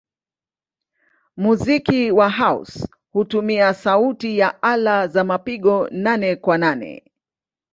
Muziki wa house hutumia sauti ya ala za mapigo nane-kwa-nane.